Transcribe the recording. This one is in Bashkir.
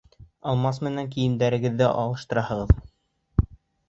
Алмас менән кейемдәрегеҙҙе алыштыраһығыҙ!